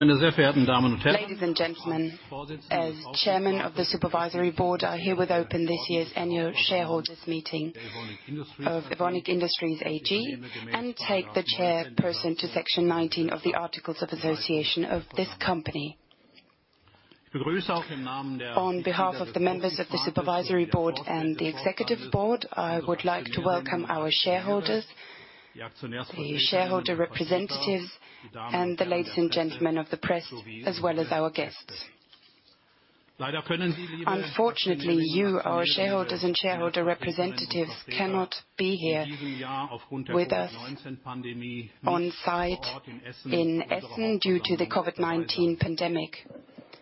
Ladies and gentlemen, as Chairman of the Supervisory Board, I herewith open this year's annual shareholders meeting of Evonik Industries AG and take the chairperson to Section 19 of the Articles of Association of this company. On behalf of the members of the Supervisory Board and the Executive Board, I would like to welcome our shareholders, the shareholder representatives, and the ladies and gentlemen of the press, as well as our guests. Unfortunately, you, our shareholders and shareholder representatives, cannot be here with us on site in Essen due to the COVID-19 pandemic.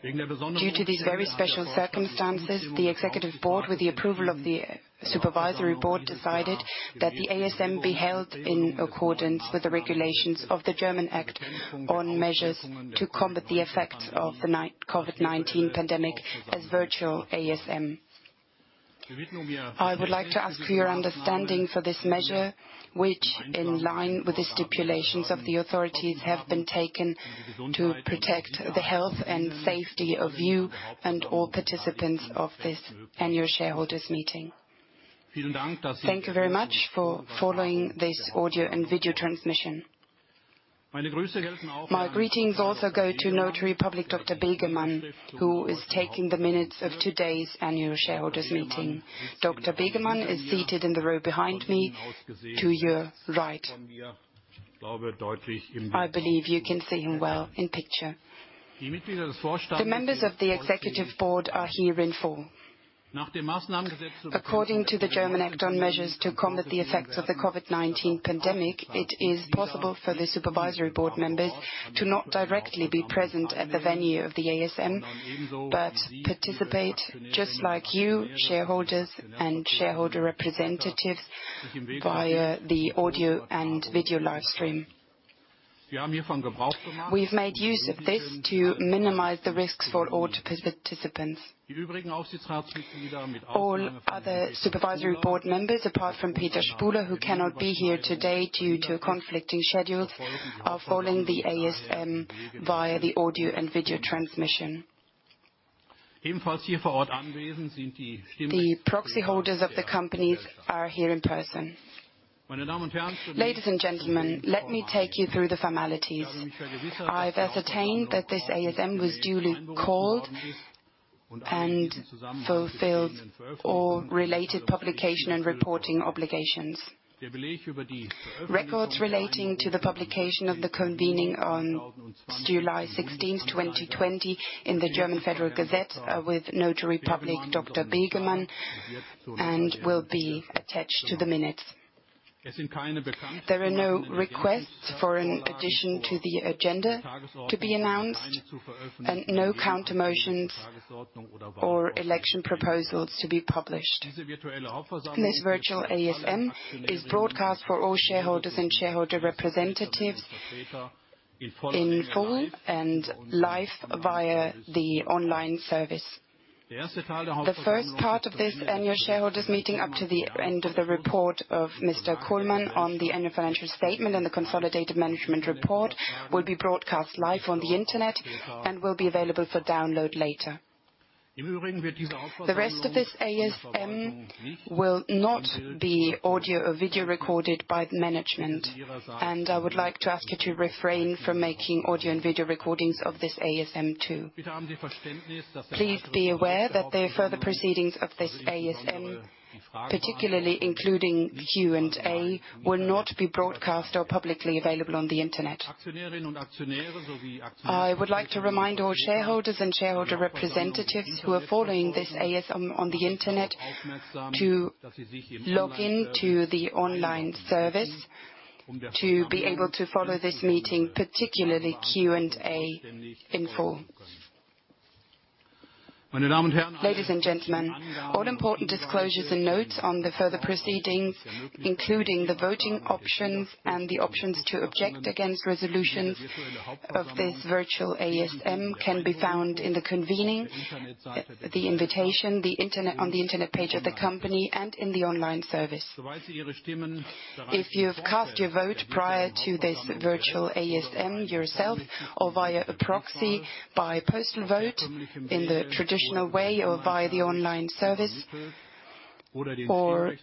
Due to these very special circumstances, the Executive Board, with the approval of the Supervisory Board, decided that the ASM be held in accordance with the regulations of the German Act on measures to combat the effects of the COVID-19 pandemic as virtual ASM. I would like to ask for your understanding for this measure, which, in line with the stipulations of the authorities, have been taken to protect the health and safety of you and all participants of this annual shareholders meeting. Thank you very much for following this audio and video transmission. My greetings also go to Notary Public Dr. Begemann, who is taking the minutes of today's annual shareholders meeting. Dr. Begemann is seated in the row behind me to your right. I believe you can see him well in picture. The members of the Executive Board are here in full. According to the German Act on measures to combat the effects of the COVID-19 Pandemic, it is possible for the Supervisory Board members to not directly be present at the venue of the ASM, but participate just like you, shareholders and shareholder representatives, via the audio and video live stream. We've made use of this to minimize the risks for all participants. All other Supervisory Board members, apart from Peter Spuhler, who cannot be here today due to conflicting schedules, are following the ASM via the audio and video transmission. The proxy holders of the companies are here in person. Ladies and gentlemen, let me take you through the formalities. I've ascertained that this ASM was duly called and fulfilled all related publication and reporting obligations. Records relating to the publication of the convening on July 16th, 2020 in the German Federal Gazette are with Notary Public Dr. Begemann and will be attached to the minutes. There are no requests for an addition to the agenda to be announced and no countermotions or election proposals to be published. This virtual ASM is broadcast for all shareholders and shareholder representatives in full and live via the online service. The first part of this annual shareholders meeting up to the end of the report of Mr. Kullmann on the annual financial statement and the consolidated management report will be broadcast live on the internet and will be available for download later. The rest of this ASM will not be audio or video recorded by the management. I would like to ask you to refrain from making audio and video recordings of this ASM, too. Please be aware that the further proceedings of this ASM, particularly including Q&A, will not be broadcast or publicly available on the internet. I would like to remind all shareholders and shareholder representatives who are following this ASM on the internet to log in to the online service to be able to follow this meeting, particularly Q&A, in full. Ladies and gentlemen, all important disclosures and notes on the further proceedings, including the voting options and the options to object against resolutions of this virtual ASM can be found in the convening, the invitation, on the internet page of the company and in the online service. If you've cast your vote prior to this virtual ASM yourself or via a proxy by postal vote in the traditional way or via the online service, or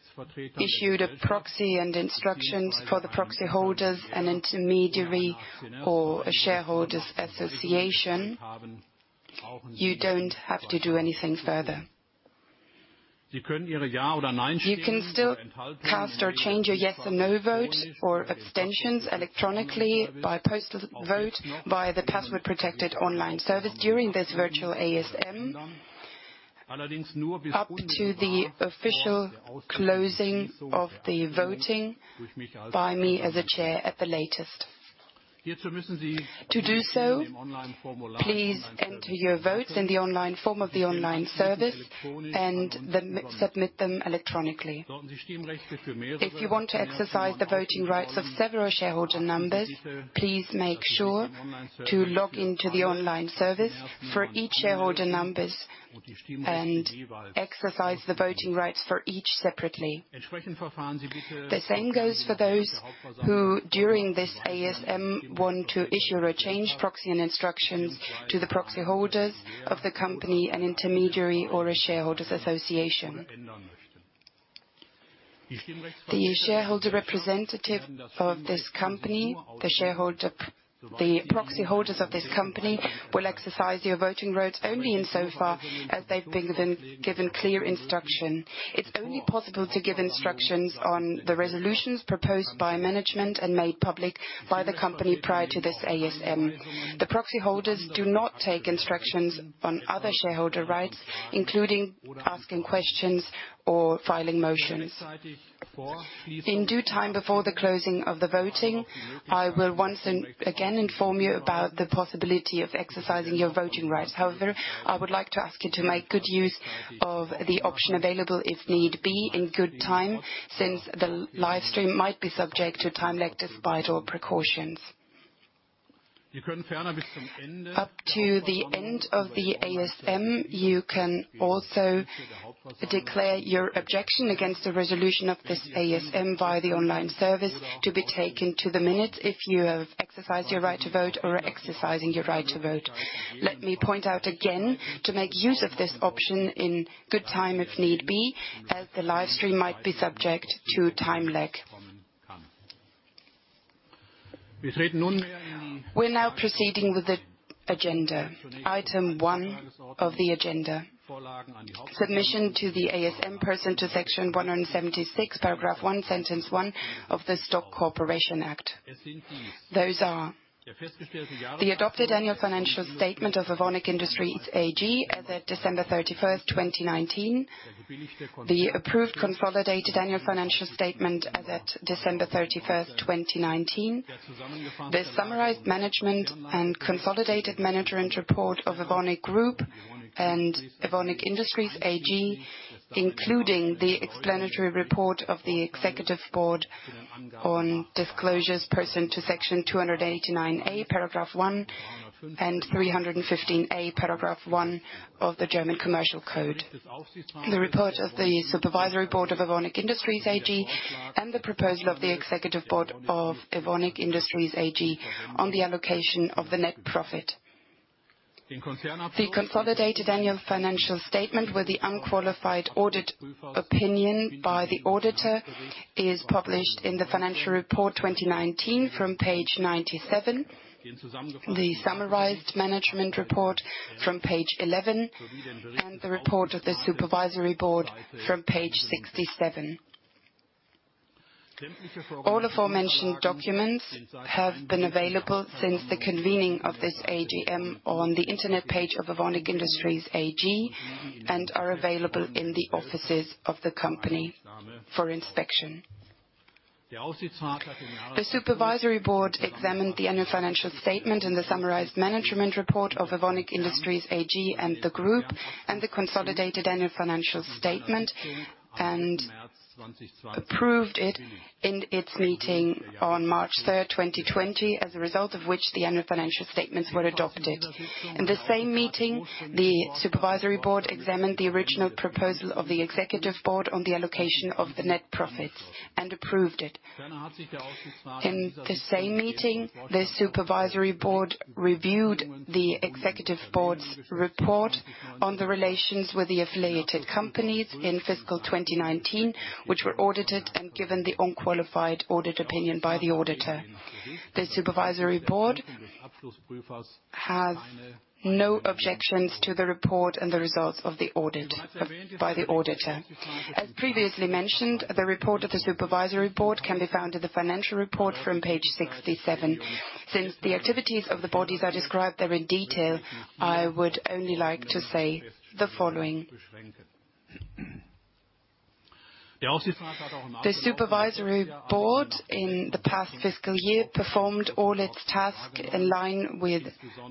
issued a proxy and instructions for the proxy holders, an intermediary, or a shareholders association, you don't have to do anything further. You can still cast or change your yes or no vote or abstentions electronically by postal vote via the password-protected online service during this virtual ASM up to the official closing of the voting by me as a chair at the latest. To do so, please enter your votes in the online form of the online service and submit them electronically. If you want to exercise the voting rights of several shareholder numbers, please make sure to log in to the online service for each shareholder number and exercise the voting rights for each separately. The same goes for those who, during this ASM, want to issue or change proxy and instructions to the proxy holders of the company, an intermediary or a shareholders association. The shareholder representative of this company, the proxy holders of this company, will exercise your voting rights only insofar as they've been given clear instruction. It's only possible to give instructions on the resolutions proposed by management and made public by the company prior to this ASM. The proxy holders do not take instructions on other shareholder rights, including asking questions or filing motions. In due time before the closing of the voting, I will once again inform you about the possibility of exercising your voting rights. However, I would like to ask you to make good use of the option available if need be in good time, since the live stream might be subject to time lag despite all precautions. Up to the end of the ASM, you can also declare your objection against the resolution of this ASM via the online service to be taken to the minute if you have exercised your right to vote or are exercising your right to vote. Let me point out again to make use of this option in good time if need be, as the live stream might be subject to time lag. We're now proceeding with the agenda. Item one of the agenda, submission to the ASM pursuant to Section 176, paragraph 1, sentence one of the Stock Corporation Act. Those are the adopted annual financial statement of Evonik Industries AG as at December 31st, 2019, the approved consolidated annual financial statement as at December 31st, 2019, the summarized management and consolidated management report of Evonik Group and Evonik Industries AG, including the explanatory report of the Executive Board on disclosures pursuant to Section 289a, paragraph 1, and Section 315a, paragraph 1 of the German Commercial Code. The report of the Supervisory Board of Evonik Industries AG and the proposal of the Executive Board of Evonik Industries AG on the allocation of the net profit. The consolidated annual financial statement with the unqualified audit opinion by the auditor is published in the financial report 2019 from Page 97, the summarized management report from page 11, and the report of the Supervisory Board from page 67. All the four mentioned documents have been available since the convening of this AGM on the internet page of Evonik Industries AG and are available in the offices of the company for inspection. The Supervisory Board examined the annual financial statement and the summarized management report of Evonik Industries AG and the Group and the consolidated annual financial statement and approved it in its meeting on March 3rd, 2020, as a result of which the annual financial statements were adopted. In the same meeting, the Supervisory Board examined the original proposal of the Executive Board on the allocation of the net profits and approved it. In the same meeting, the Supervisory Board reviewed the Executive Board's report on the relations with the affiliated companies in fiscal 2019, which were audited and given the unqualified audit opinion by the auditor. The Supervisory Board has no objections to the report and the results of the audit by the auditor. As previously mentioned, the report of the Supervisory Board can be found in the financial report from page 67. Since the activities of the bodies are described there in detail, I would only like to say the following. The Supervisory Board in the past fiscal year performed all its tasks in line with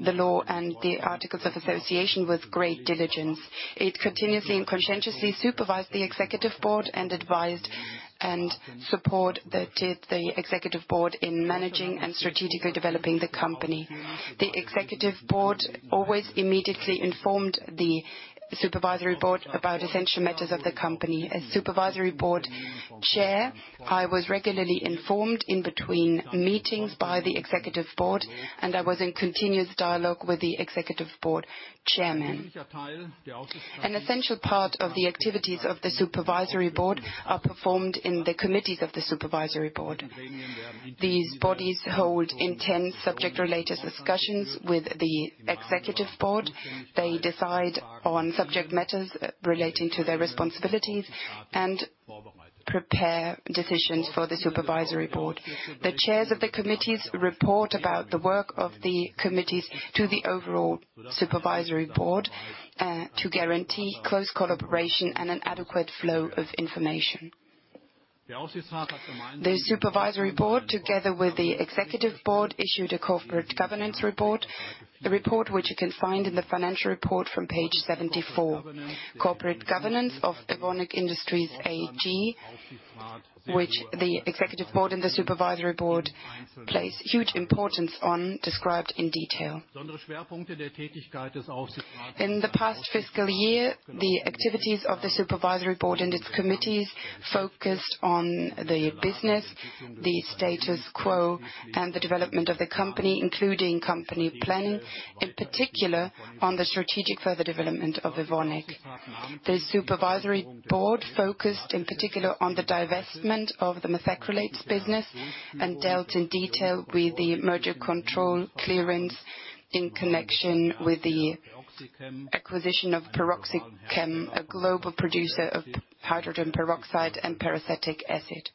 the law and the articles of association with great diligence. It continuously and conscientiously supervised the Executive Board and advised and supported the Executive Board in managing and strategically developing the company. The Executive Board always immediately informed the Supervisory Board about essential matters of the company. As Supervisory Board Chair, I was regularly informed in between meetings by the Executive Board, and I was in continuous dialogue with the Executive Board Chairman. An essential part of the activities of the Supervisory Board are performed in the committees of the Supervisory Board. These bodies hold intense subject-related discussions with the Executive Board. They decide on subject matters relating to their responsibilities and prepare decisions for the Supervisory Board. The chairs of the committees report about the work of the committees to the overall Supervisory Board to guarantee close collaboration and an adequate flow of information. The Supervisory Board, together with the Executive Board, issued a corporate governance report, a report which you can find in the financial report from page 74. Corporate governance of Evonik Industries AG, which the executive board and the supervisory board place huge importance on, described in detail. In the past fiscal year, the activities of the supervisory board and its committees focused on the business, the status quo, and the development of the company, including company planning, in particular on the strategic further development of Evonik. The supervisory board focused in particular on the divestment of the Methacrylates business and dealt in detail with the merger control clearance in connection with the acquisition of PeroxyChem, a global producer of hydrogen peroxide and peracetic acid.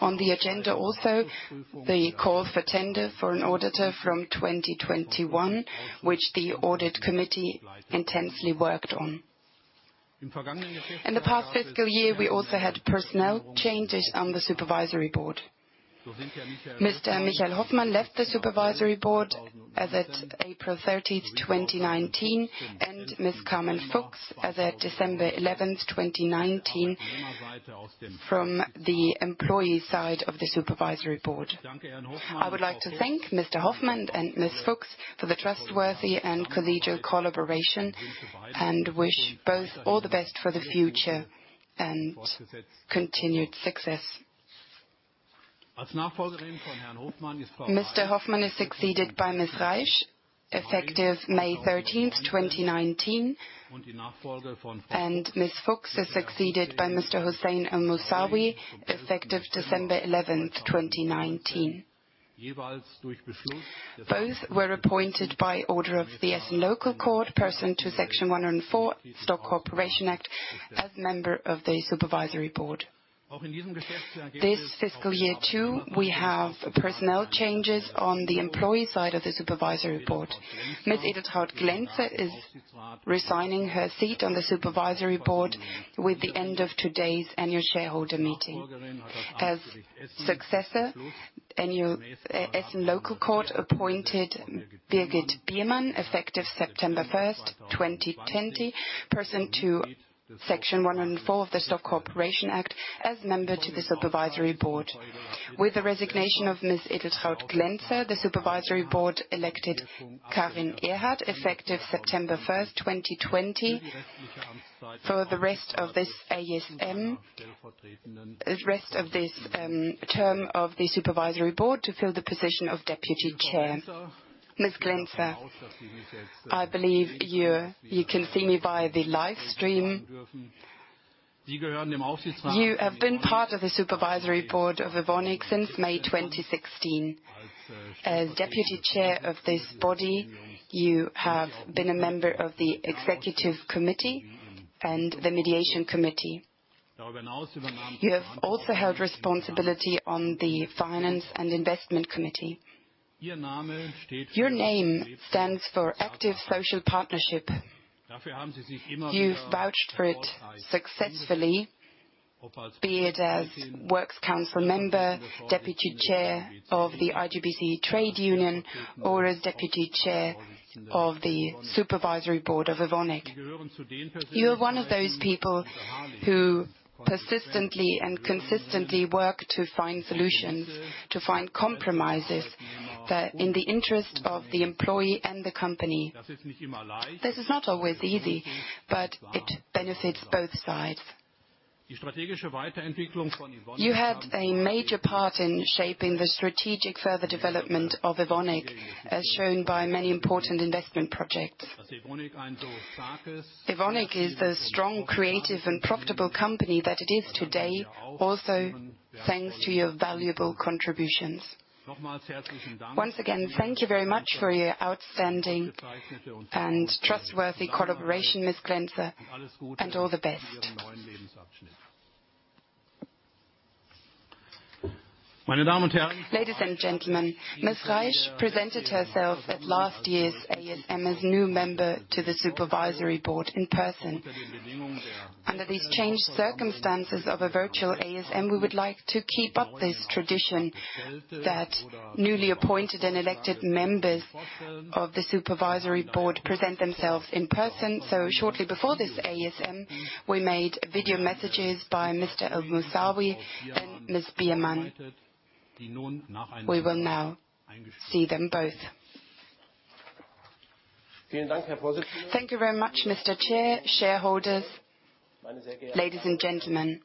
On the agenda, also, the call for tender for an auditor from 2021, which the audit committee intensely worked on. In the past fiscal year, we also had personnel changes on the supervisory board. Mr. Michael Hofmann left the supervisory board as at April 30th, 2019, and Ms. Carmen Fuchs as at December 11th, 2019, from the employee side of the supervisory board. I would like to thank Mr. Hofmann and Ms. Fuchs for the trustworthy and collegial collaboration, and wish both all the best for the future and continued success. Mr. Hofmann is succeeded by Ms. Reisch, effective May 13th, 2019, and Ms. Fuchs is succeeded by Mr. Hussin El Moussaoui, effective December 11th, 2019. Both were appointed by order of the local court to pursuant to Section 104, Stock Corporation Act, as member of the supervisory board. This fiscal year, too, we have personnel changes on the employee side of the supervisory board. Ms. Edeltraud Glänzer is resigning her seat on the supervisory board with the end of today's annual shareholder meeting. As successor, a local court appointed Birgit Biermann, effective September 1st, 2020, pursuant to Section 104 of the Stock Corporation Act, as member to the supervisory board. With the resignation of Ms. Edeltraud Glänzer, the supervisory board elected Karin Erhard, effective September 1st, 2020, for the rest of this term of the supervisory board to fill the position of Deputy Chair. Ms. Glänzer, I believe you can see me via the live stream. You have been part of the supervisory board of Evonik since May 2016. As deputy chair of this body, you have been a member of the executive committee and the mediation committee. You have also held responsibility on the finance and investment committee. Your name stands for active social partnership. You've vouched for it successfully, be it as works council member, deputy chair of the IG BCE Trade Union, or as deputy chair of the supervisory board of Evonik. You are one of those people who persistently and consistently work to find solutions, to find compromises in the interest of the employee and the company. This is not always easy, but it benefits both sides. You had a major part in shaping the strategic further development of Evonik, as shown by many important investment projects. Evonik is the strong, creative, and profitable company that it is today, also thanks to your valuable contributions. Once again, thank you very much for your outstanding and trustworthy collaboration, Ms. Glänzer, and all the best. Ladies and gentlemen, Ms. Reisch presented herself at last year's ASM as new member to the supervisory board in person. Under these changed circumstances of a virtual ASM, we would like to keep up this tradition that newly appointed and elected members of the supervisory board present themselves in person. Shortly before this ASM, we made video messages by Mr. El Moussaoui and Ms. Biermann. We will now see them both. Thank you very much, Mr. Chair, shareholders, ladies and gentlemen.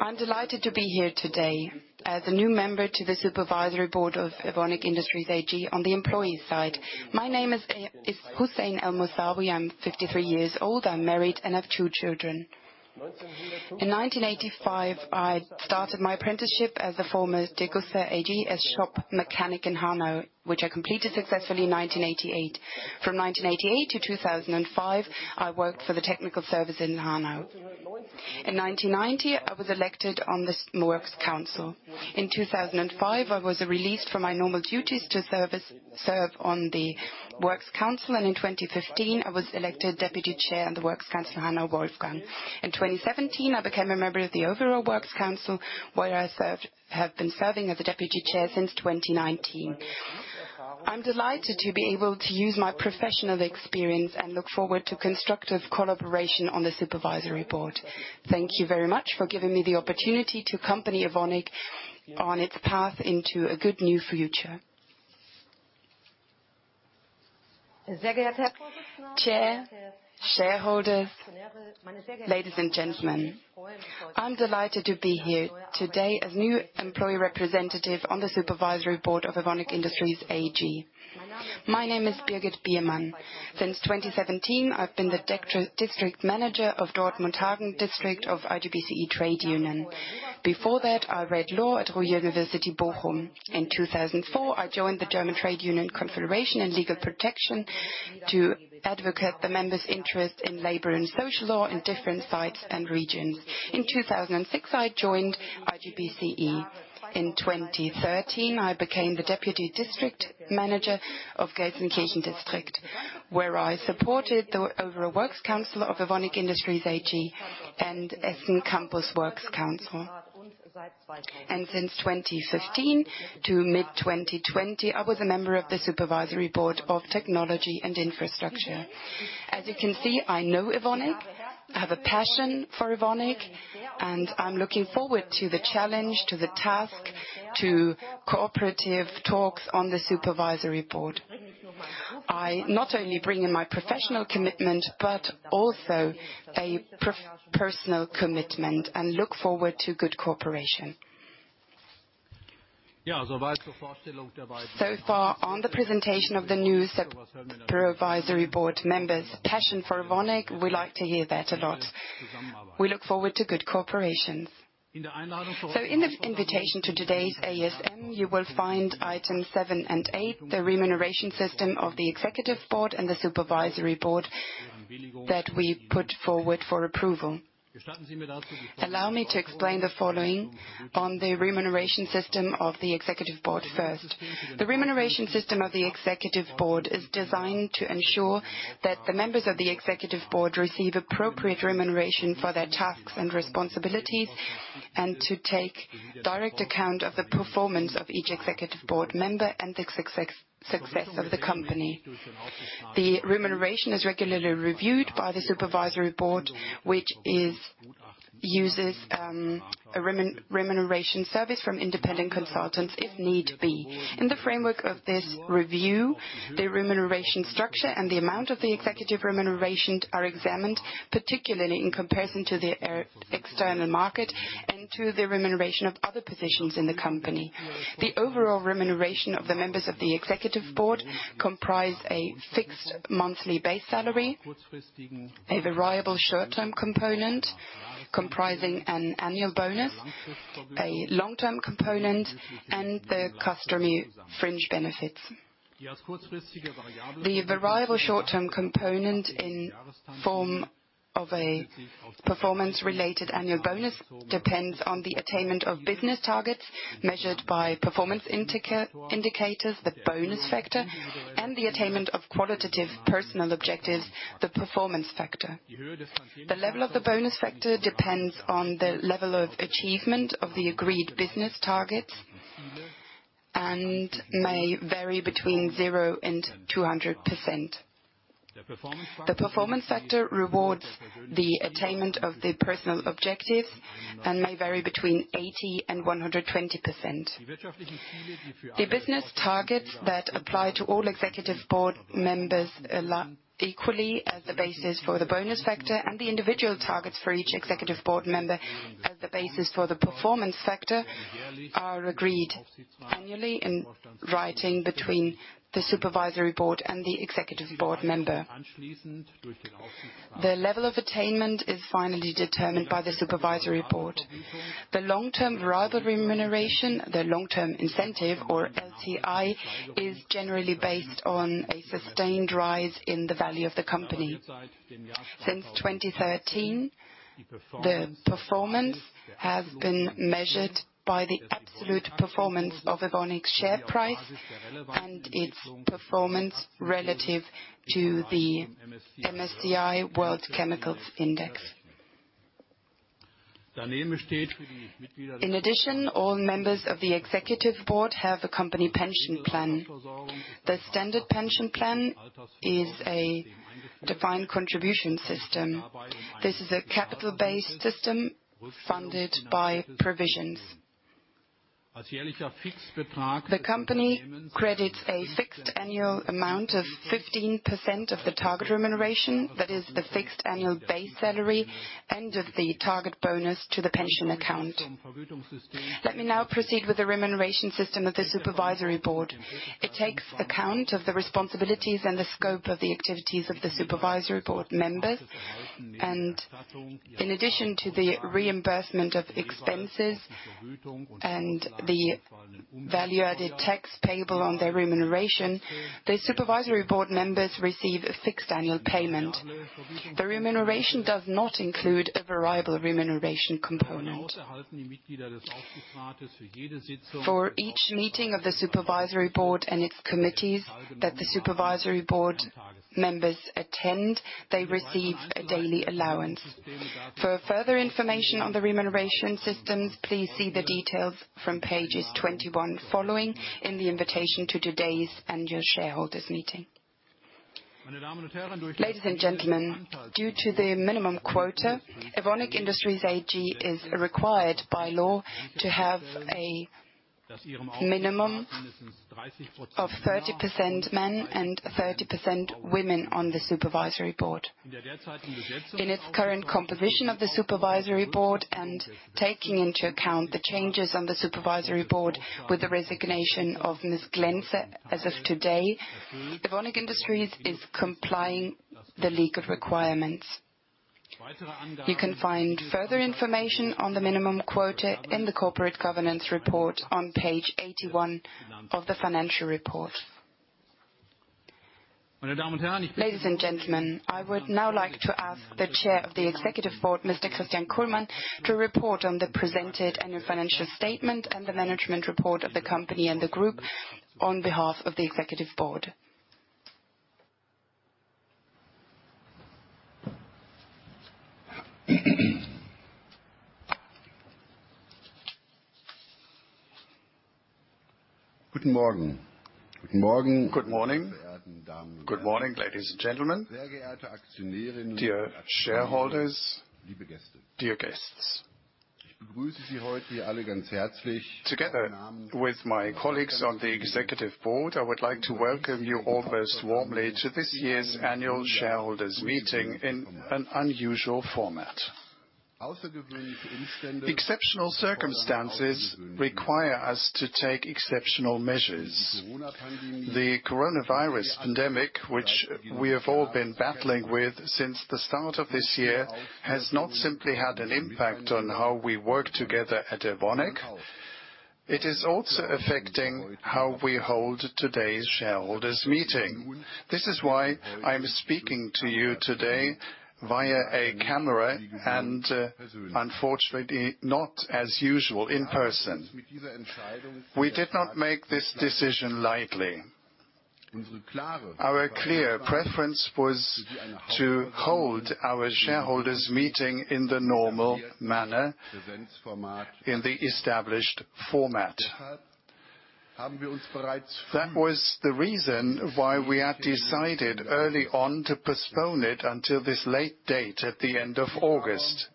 I'm delighted to be here today as a new member to the supervisory board of Evonik Industries AG on the employee side. My name is Hussin El Moussaoui, I'm 53 years old. I'm married and have two children. In 1985, I started my apprenticeship at the former Degussa AG as shop mechanic in Hanau, which I completed successfully in 1988. From 1988 to 2005, I worked for the technical service in Hanau. In 1990, I was elected on the works council. In 2005, I was released from my normal duties to serve on the Works Council. In 2015, I was elected Deputy Chair on the Works Council Hanau-Wolfgang. In 2017, I became a member of the Overall Works Council, where I have been serving as the Deputy Chair since 2019. I'm delighted to be able to use my professional experience and look forward to constructive collaboration on the Supervisory Board. Thank you very much for giving me the opportunity to accompany Evonik on its path into a good new future. Chair, shareholders, ladies and gentlemen. I'm delighted to be here today as new employee representative on the Supervisory Board of Evonik Industries AG. My name is Birgit Biermann. Since 2017, I've been the District Manager of Dortmund-Hagen District of IG BCE Trade Union. Before that, I read law at Ruhr University Bochum. In 2004, I joined the German Trade Union Confederation and Legal Protection to advocate the members' interest in labor and social law in different sites and regions. In 2006, I joined IG BCE. In 2013, I became the deputy district manager of Gelsenkirchen district, where I supported the overall works council of Evonik Industries AG and Essen Campus Works Council. Since 2015 to mid-2020, I was a member of the supervisory board of Technology & Infrastructure. As you can see, I know Evonik, I have a passion for Evonik, and I'm looking forward to the challenge, to the task, to cooperative talks on the supervisory board. I not only bring in my professional commitment, but also a personal commitment and look forward to good cooperation. Far on the presentation of the new supervisory board members. Passion for Evonik, we like to hear that a lot. We look forward to good cooperation. In the invitation to today's ASM, you will find items seven and eight, the Remuneration System of the Executive Board and the Supervisory Board that we put forward for approval. Allow me to explain the following on the Remuneration System of the Executive Board first. The Remuneration System of the Executive Board is designed to ensure that the members of the Executive Board receive appropriate remuneration for their tasks and responsibilities, and to take direct account of the performance of each Executive Board member and the success of the company. The remuneration is regularly reviewed by the Supervisory Board, which uses a remuneration service from independent consultants if need be. In the framework of this review, the remuneration structure and the amount of the executive remuneration are examined, particularly in comparison to the external market and to the remuneration of other positions in the company. The overall remuneration of the members of the executive board comprise a fixed monthly base salary, a variable short-term component comprising an annual bonus, a long-term component, and the customary fringe benefits. The variable short-term component in form of a performance-related annual bonus depends on the attainment of business targets measured by performance indicators, the bonus factor, and the attainment of qualitative personal objectives, the performance factor. The level of the bonus factor depends on the level of achievement of the agreed business targets and may vary between 0% and 200%. The performance factor rewards the attainment of the personal objectives and may vary between 80% and 120%. The business targets that apply to all executive board members equally as the basis for the bonus factor and the individual targets for each executive board member as the basis for the performance factor are agreed annually in writing between the supervisory board and the executive board member. The level of attainment is finally determined by the supervisory board. The long-term variable remuneration, the long-term incentive or LTI, is generally based on a sustained rise in the value of the company. Since 2013, the performance has been measured by the absolute performance of Evonik's share price and its performance relative to the MSCI World Chemicals Index. In addition, all members of the executive board have a company pension plan. The standard pension plan is a defined contribution system. This is a capital-based system funded by provisions. The company credits a fixed annual amount of 15% of the target remuneration, that is the fixed annual base salary, and of the target bonus to the pension account. Let me now proceed with the remuneration system of the Supervisory Board. In addition to the reimbursement of expenses and the value-added tax payable on their remuneration, the Supervisory Board members receive a fixed annual payment. The remuneration does not include a variable remuneration component. For each meeting of the Supervisory Board and its committees that the Supervisory Board members attend, they receive a daily allowance. For further information on the remuneration systems, please see the details from pages 21 following in the invitation to today's annual shareholders meeting. Ladies and gentlemen, due to the minimum quota, Evonik Industries AG is required by law to have a minimum of 30% men and 30% women on the supervisory board. In its current composition of the supervisory board, and taking into account the changes on the supervisory board with the resignation of Ms. Glänzer as of today, Evonik Industries is complying the legal requirements. You can find further information on the corporate governance report on page 81 of the financial report. Ladies and gentlemen, I would now like to ask the Chair of the Executive Board, Mr. Christian Kullmann, to report on the presented annual financial statement and the management report of the company and the group on behalf of the Executive Board. Good morning. Good morning, ladies and gentlemen. Dear shareholders, dear guests. Together with my colleagues on the executive board, I would like to welcome you all very warmly to this year's annual shareholders meeting in an unusual format. Exceptional circumstances require us to take exceptional measures. The coronavirus pandemic, which we have all been battling with since the start of this year, has not simply had an impact on how we work together at Evonik, it is also affecting how we hold today's shareholders meeting. This is why I'm speaking to you today via a camera and, unfortunately, not as usual, in person. We did not make this decision lightly. Our clear preference was to hold our shareholders meeting in the normal manner, in the established format. That was the reason why we had decided early on to postpone it until this late date at the end of August.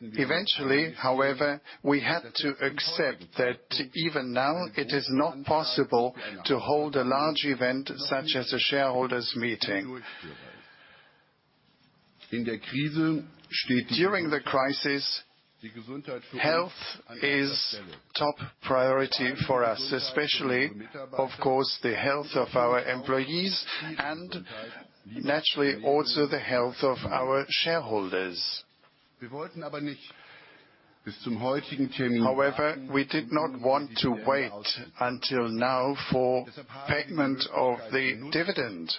Eventually, however, we had to accept that even now, it is not possible to hold a large event such as a shareholders meeting. During the crisis, health is top priority for us, especially, of course, the health of our employees and naturally also the health of our shareholders. However, we did not want to wait until now for payment of the dividend.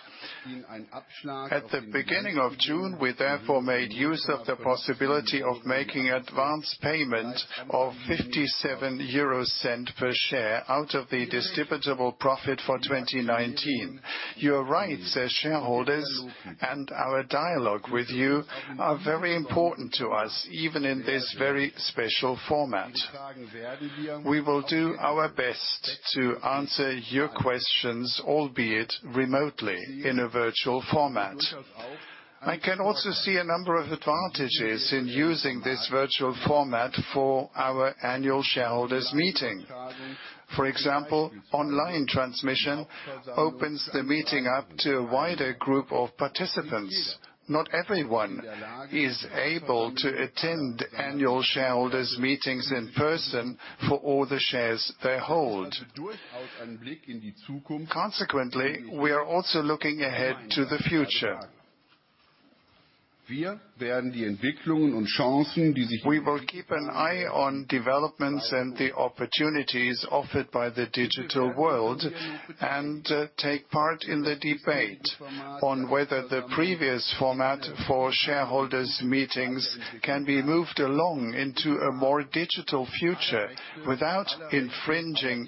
At the beginning of June, we therefore made use of the possibility of making advance payment of 0.57 per share out of the distributable profit for 2019. Your rights as shareholders and our dialogue with you are very important to us, even in this very special format. We will do our best to answer your questions, albeit remotely in a virtual format. I can also see a number of advantages in using this virtual format for our annual shareholders meeting. For example, online transmission opens the meeting up to a wider group of participants. Not everyone is able to attend annual shareholders meetings in person for all the shares they hold. Consequently, we are also looking ahead to the future. We will keep an eye on developments and the opportunities offered by the digital world, and take part in the debate on whether the previous format for shareholders meetings can be moved along into a more digital future without infringing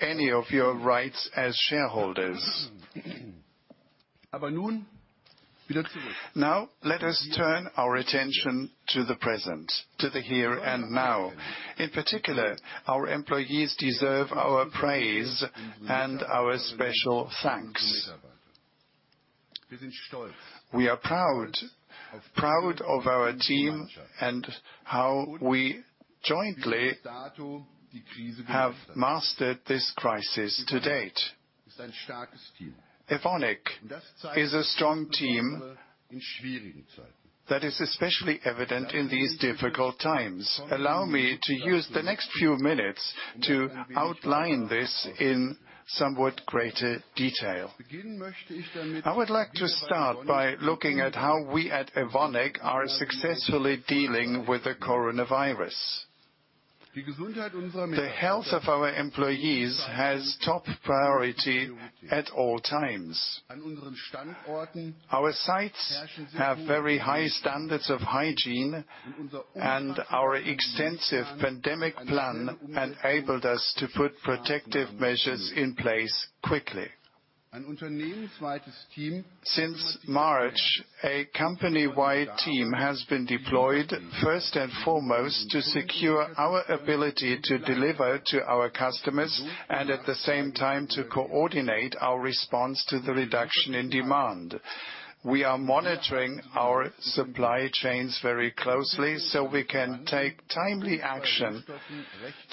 any of your rights as shareholders. Now, let us turn our attention to the present, to the here and now. In particular, our employees deserve our praise and our special thanks. We are proud. Proud of our team and how we jointly have mastered this crisis to date. Evonik is a strong team. That is especially evident in these difficult times. Allow me to use the next few minutes to outline this in somewhat greater detail. I would like to start by looking at how we at Evonik are successfully dealing with the coronavirus. The health of our employees has top priority at all times. Our sites have very high standards of hygiene, and our extensive pandemic plan enabled us to put protective measures in place quickly. Since March, a company-wide team has been deployed first and foremost to secure our ability to deliver to our customers, and at the same time, to coordinate our response to the reduction in demand. We are monitoring our supply chains very closely so we can take timely action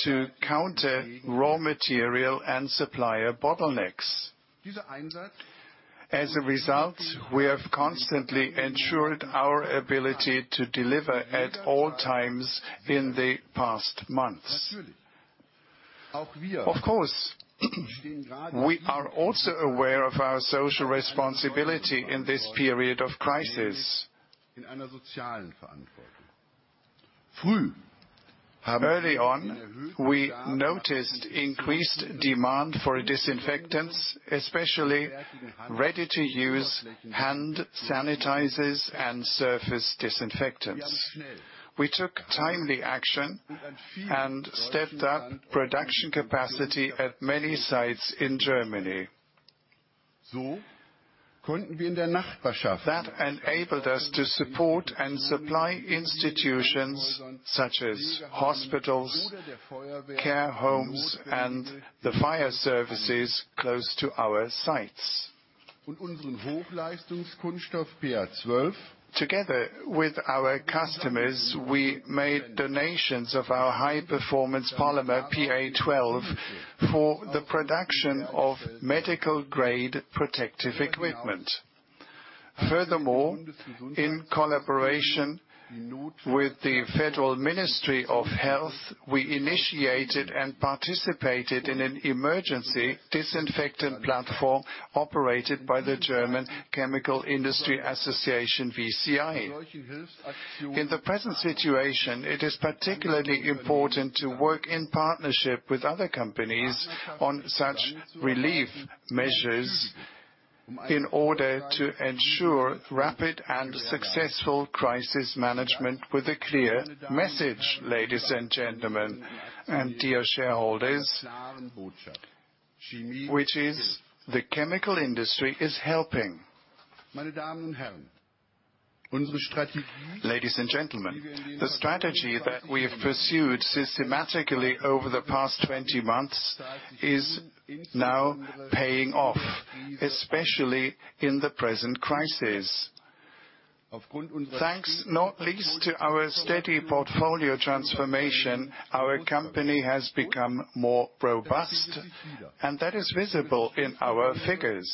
to counter raw material and supplier bottlenecks. As a result, we have constantly ensured our ability to deliver at all times in the past months. Of course, we are also aware of our social responsibility in this period of crisis. Early on, we noticed increased demand for disinfectants, especially ready-to-use hand sanitizers and surface disinfectants. We took timely action and stepped up production capacity at many sites in Germany. That enabled us to support and supply institutions such as hospitals, care homes, and the fire services close to our sites. Together with our customers, we made donations of our high-performance polymer PA12 for the production of medical-grade protective equipment. Furthermore, in collaboration with the Federal Ministry of Health, we initiated and participated in an emergency disinfectant platform operated by the German Chemical Industry Association, VCI. In the present situation, it is particularly important to work in partnership with other companies on such relief measures in order to ensure rapid and successful crisis management with a clear message, ladies and gentlemen and dear shareholders, which is, the chemical industry is helping. Ladies and gentlemen, the strategy that we have pursued systematically over the past 20 months is now paying off, especially in the present crisis. Thanks not least to our steady portfolio transformation, our company has become more robust. That is visible in our figures.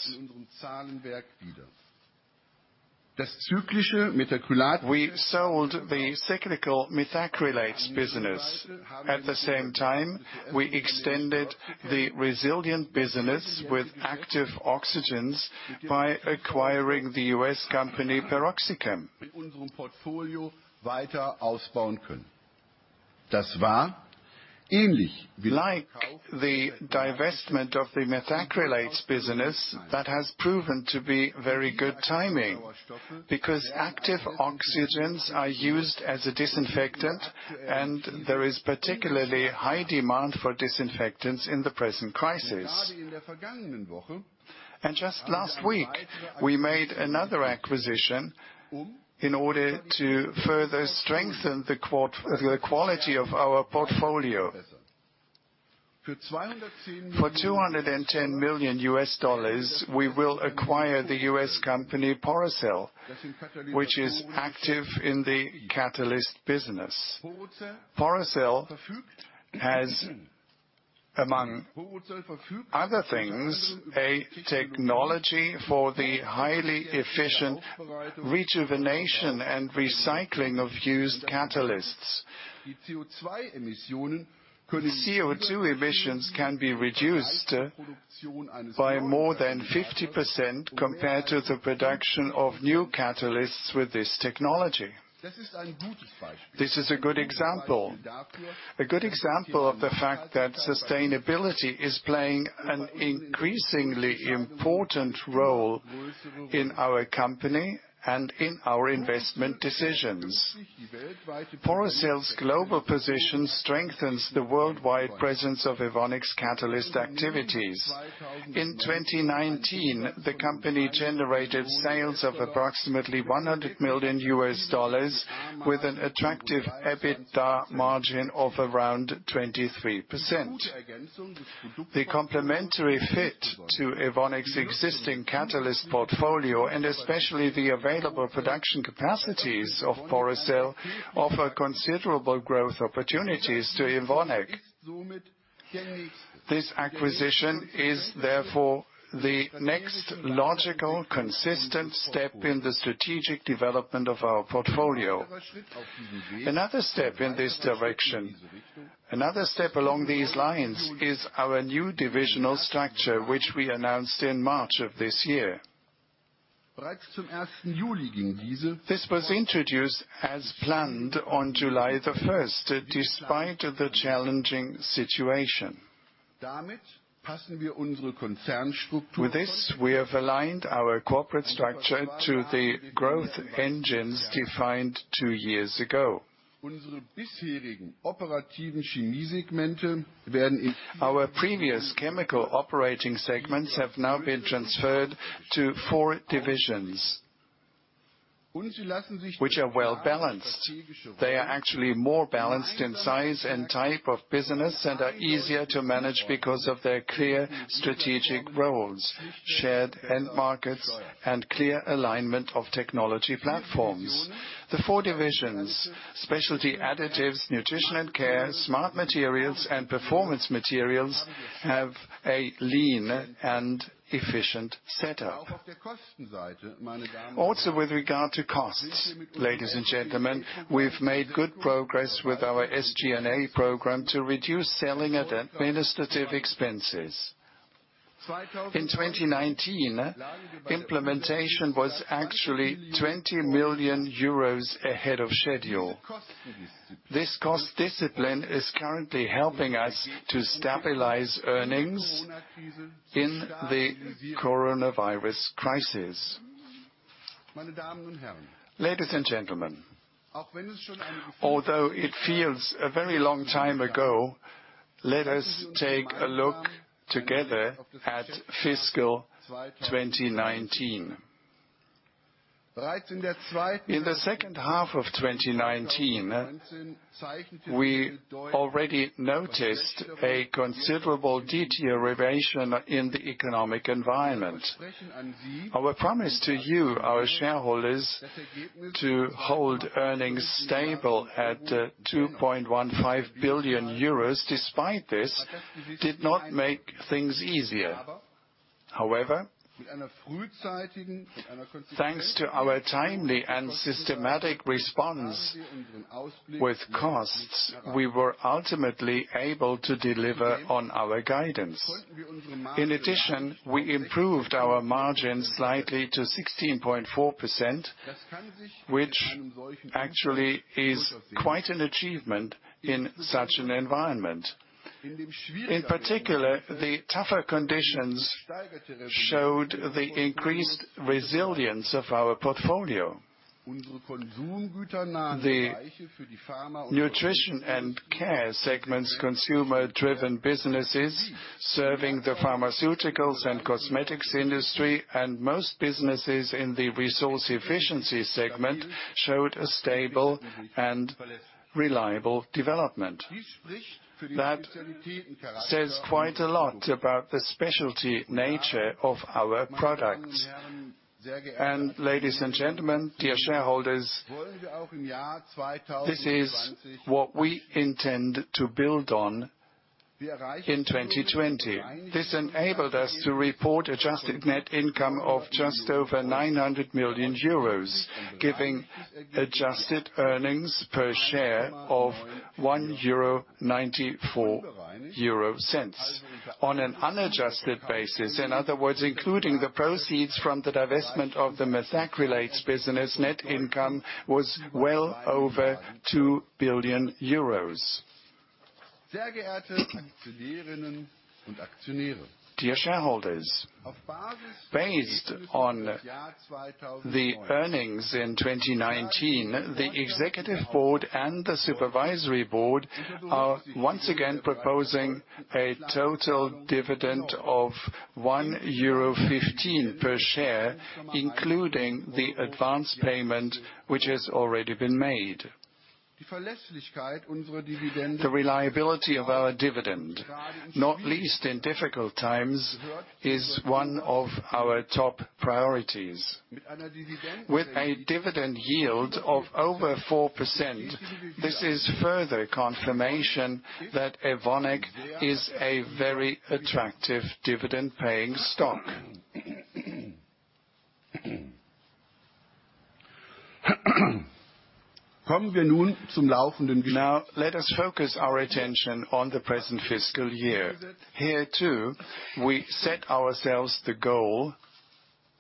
We sold the cyclical Methacrylates business. At the same time, we extended the resilient business with Active Oxygens by acquiring the U.S. company, PeroxyChem. Like the divestment of the Methacrylates business, that has proven to be very good timing, because Active Oxygens are used as a disinfectant. There is particularly high demand for disinfectants in the present crisis. Just last week, we made another acquisition in order to further strengthen the quality of our portfolio. For $210 million, we will acquire the U.S. company, Porocel, which is active in the catalyst business. Porocel has, among other things, a technology for the highly efficient rejuvenation and recycling of used catalysts. The CO2 emissions can be reduced by more than 50% compared to the production of new catalysts with this technology. This is a good example of the fact that sustainability is playing an increasingly important role in our company and in our investment decisions. Porocel's global position strengthens the worldwide presence of Evonik's catalyst activities. In 2019, the company generated sales of approximately $100 million with an attractive EBITDA margin of around 23%. The complementary fit to Evonik's existing catalyst portfolio, and especially the available production capacities of Porocel, offer considerable growth opportunities to Evonik. This acquisition is therefore the next logical, consistent step in the strategic development of our portfolio. Another step along these lines is our new divisional structure, which we announced in March of this year. This was introduced as planned on July the 1st, despite the challenging situation. With this, we have aligned our corporate structure to the growth engines defined two years ago. Our previous chemical operating segments have now been transferred to four divisions, which are well-balanced. They are actually more balanced in size and type of business and are easier to manage because of their clear strategic roles, shared end markets, and clear alignment of technology platforms. The four divisions, Specialty Additives, Nutrition & Care, Smart Materials, and Performance Materials, have a lean and efficient setup. Also with regard to costs, ladies and gentlemen, we've made good progress with our SG&A program to reduce selling at administrative expenses. In 2019, implementation was actually 20 million euros ahead of schedule. This cost discipline is currently helping us to stabilize earnings in the coronavirus crisis. Ladies and gentlemen, although it feels a very long time ago, let us take a look together at fiscal 2019. In the second half of 2019, we already noticed a considerable deterioration in the economic environment. Our promise to you, our shareholders, to hold earnings stable at 2.15 billion euros despite this, did not make things easier. However, thanks to our timely and systematic response with costs, we were ultimately able to deliver on our guidance. In addition, we improved our margins slightly to 16.4%, which actually is quite an achievement in such an environment. In particular, the tougher conditions showed the increased resilience of our portfolio. The Nutrition & Care segments, consumer-driven businesses serving the pharmaceuticals and cosmetics industry, and most businesses in the Resource Efficiency segment, showed a stable and reliable development. That says quite a lot about the specialty nature of our products. Ladies and gentlemen, dear shareholders, this is what we intend to build on in 2020. This enabled us to report adjusted net income of just over 900 million euros, giving adjusted earnings per share of 1.94 euro. On an unadjusted basis, in other words, including the proceeds from the divestment of the Methacrylates business, net income was well over 2 billion euros. Dear shareholders, based on the earnings in 2019, the Executive Board and the Supervisory Board are once again proposing a total dividend of 1.15 euro per share, including the advance payment, which has already been made. The reliability of our dividend, not least in difficult times, is one of our top priorities. With a dividend yield of over 4%, this is further confirmation that Evonik is a very attractive dividend-paying stock. Let us focus our attention on the present fiscal year.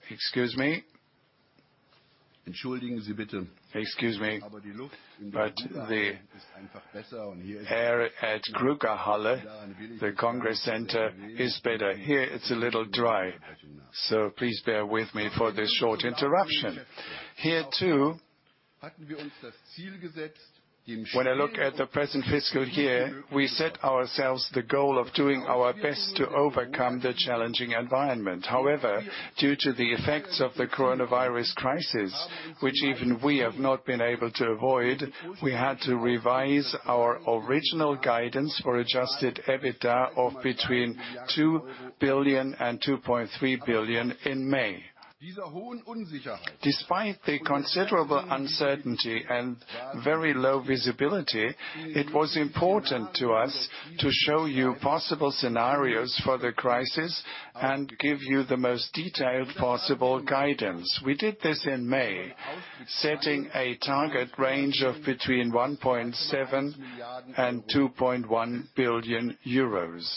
Excuse me, but the air at Grugahalle, the Congress Center, is better. Here, it's a little dry. Please bear with me for this short interruption. Here, too, when I look at the present fiscal year, we set ourselves the goal of doing our best to overcome the challenging environment. Due to the effects of the coronavirus crisis, which even we have not been able to avoid, we had to revise our original guidance for adjusted EBITDA of between 2 billion and 2.3 billion in May. Despite the considerable uncertainty and very low visibility, it was important to us to show you possible scenarios for the crisis and give you the most detailed possible guidance. We did this in May, setting a target range of between 1.7 billion and 2.1 billion euros.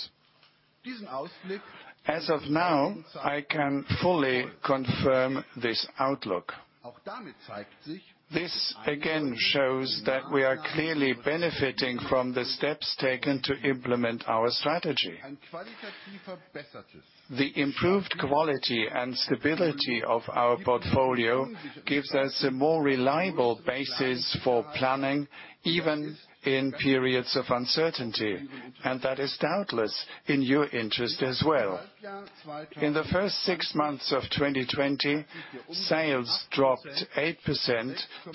As of now, I can fully confirm this outlook. This again shows that we are clearly benefiting from the steps taken to implement our strategy. The improved quality and stability of our portfolio gives us a more reliable basis for planning, even in periods of uncertainty, and that is doubtless in your interest as well. In the first six months of 2020, sales dropped 8%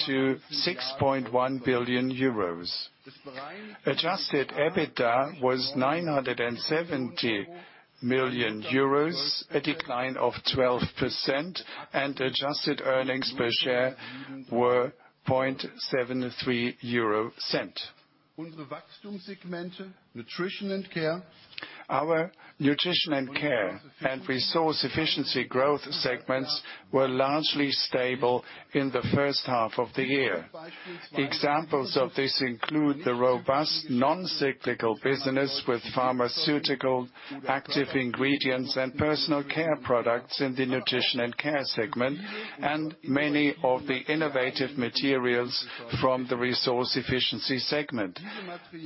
to 6.1 billion euros. Adjusted EBITDA was 970 million euros, a decline of 12%, and adjusted earnings per share were EUR Our Nutrition & Care and Resource Efficiency growth segments were largely stable in the first half of the year. Examples of this include the robust non-cyclical business with pharmaceutical active ingredients and personal care products in the Nutrition & Care segment, and many of the innovative materials from the Resource Efficiency segment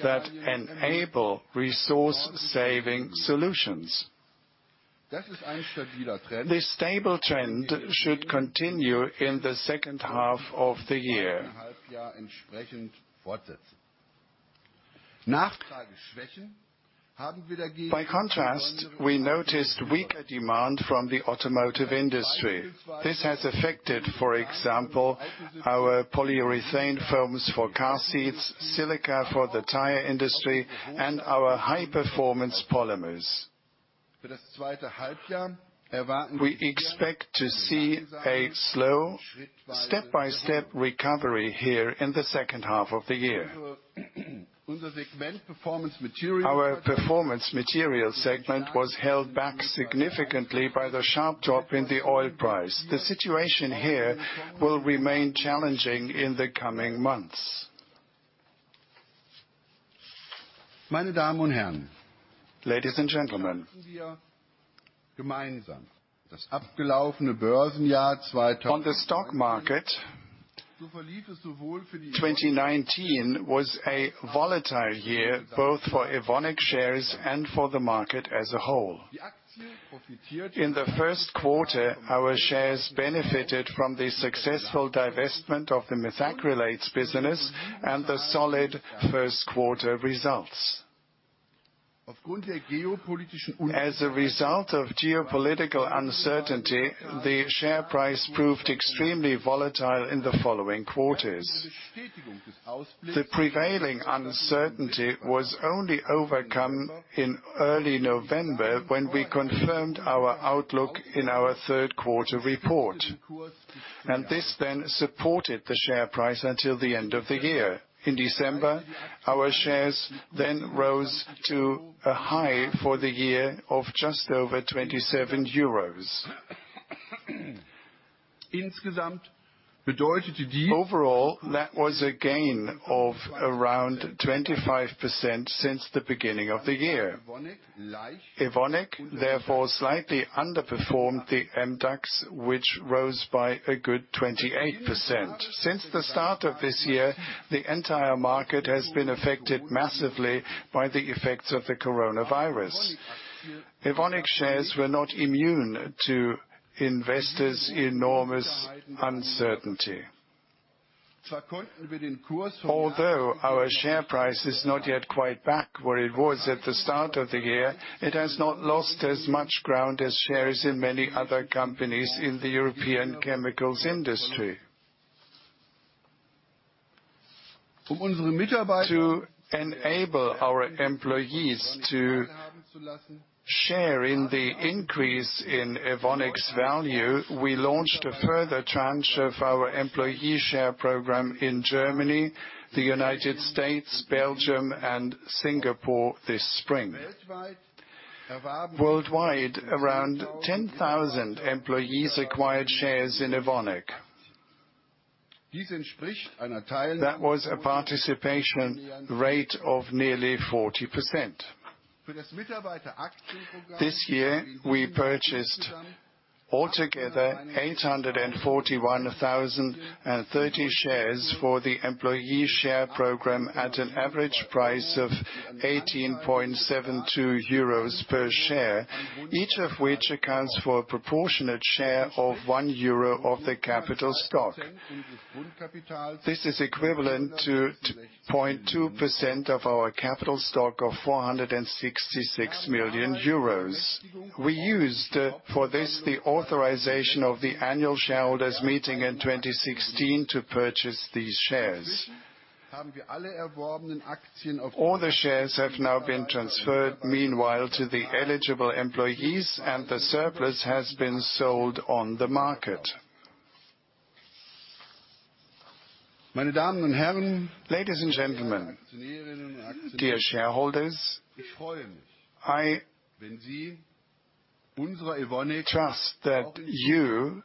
that enable resource-saving solutions. This stable trend should continue in the second half of the year. By contrast, we noticed weaker demand from the automotive industry. This has affected, for example, our polyurethane foams for car seats, silica for the tire industry, and our high-performance polymers. We expect to see a slow, step-by-step recovery here in the second half of the year. Our Performance Materials segment was held back significantly by the sharp drop in the oil price. The situation here will remain challenging in the coming months. Ladies and gentlemen. On the stock market, 2019 was a volatile year both for Evonik shares and for the market as a whole. In the first quarter, our shares benefited from the successful divestment of the Methacrylates business and the solid first quarter results. As a result of geopolitical uncertainty, the share price proved extremely volatile in the following quarters. The prevailing uncertainty was only overcome in early November, when we confirmed our outlook in our third-quarter report. This then supported the share price until the end of the year. In December, our shares then rose to a high for the year of just over 27 euros. Overall, that was a gain of around 25% since the beginning of the year. Evonik, therefore, slightly underperformed the MDAX, which rose by a good 28%. Since the start of this year, the entire market has been affected massively by the effects of the coronavirus. Evonik shares were not immune to investors' enormous uncertainty. Although our share price is not yet quite back where it was at the start of the year, it has not lost as much ground as shares in many other companies in the European chemicals industry. To enable our employees to share in the increase in Evonik's value, we launched a further tranche of our employee share program in Germany, the United States, Belgium, and Singapore this spring. Worldwide, around 10,000 employees acquired shares in Evonik. That was a participation rate of nearly 40%. This year, we purchased altogether 841,030 shares for the employee share program at an average price of 18.72 euros per share, each of which accounts for a proportionate share of 1 euro of the capital stock. This is equivalent to 2.2% of our capital stock of 466 million euros. We used for this, the authorization of the annual shareholders meeting in 2016 to purchase these shares. All the shares have now been transferred meanwhile to the eligible employees, and the surplus has been sold on the market. Ladies and gentlemen, dear shareholders. I trust that you,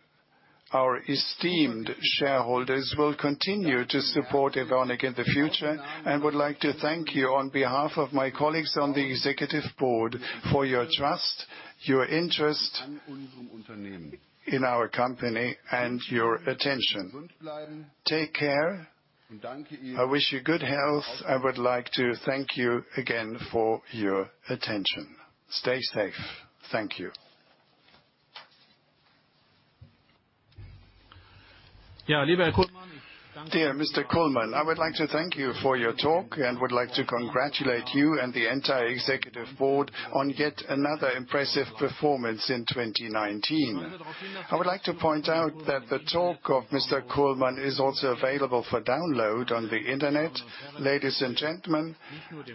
our esteemed shareholders, will continue to support Evonik in the future and would like to thank you on behalf of my colleagues on the Executive Board for your trust, your interest in our company, and your attention. Take care. I wish you good health. I would like to thank you again for your attention. Stay safe. Thank you. Dear Mr. Kullmann, I would like to thank you for your talk and would like to congratulate you and the entire Executive Board on yet another impressive performance in 2019. I would like to point out that the talk of Mr. Kullmann is also available for download on the internet. Ladies and gentlemen,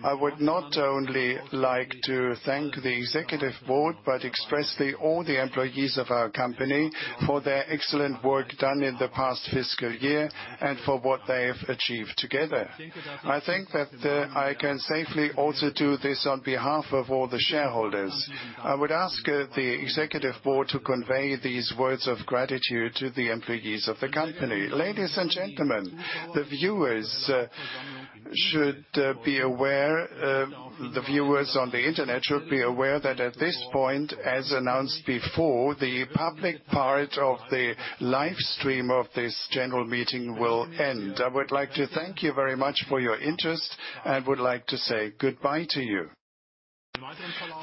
I would not only like to thank the executive board, but expressly all the employees of our company for their excellent work done in the past fiscal year and for what they have achieved together. I think that I can safely also do this on behalf of all the shareholders. I would ask the executive board to convey these words of gratitude to the employees of the company. Ladies and gentlemen, the viewers on the Internet should be aware that at this point, as announced before, the public part of the live stream of this general meeting will end. I would like to thank you very much for your interest and would like to say goodbye to you.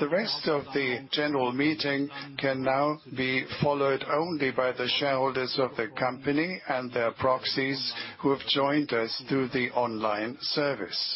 The rest of the general meeting can now be followed only by the shareholders of the company and their proxies who have joined us through the online service.